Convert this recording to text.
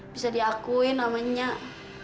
bisa diakuin ama nyak